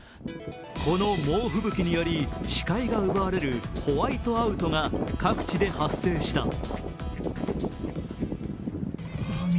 この猛吹雪により視界が奪われるホワイトアウトが各地で発生した。